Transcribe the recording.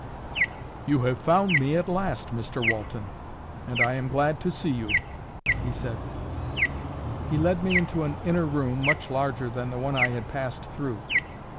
"You have found me at last, Mr Walton, and I am glad to see you," he said. He led me into an inner room, much larger than the one I had passed through.